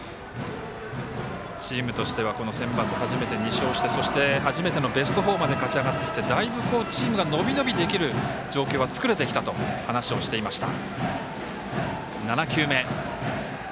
チームとしてはセンバツ、初めて２勝してそして、初めてのベスト４まで勝ちあがってきてだいぶチームが伸び伸びできる状況は作れてきたと話をしていました。